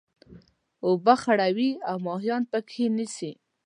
اوبه خړوي او ماهيان پکښي نيسي.